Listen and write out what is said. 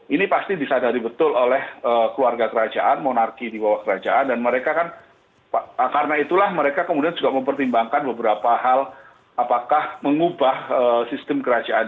ini pasti disadari betul oleh keluarga kerajaan monarki di bawah kerajaan dan mereka kan karena itulah mereka kemudian juga mempertimbangkan beberapa hal apakah mengubah sistem kerajaan